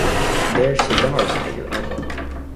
There's cigars at your elbow.